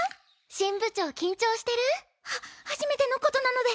新部長緊張してる？は初めてのことなので。